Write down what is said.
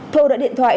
thôi đã điện thoại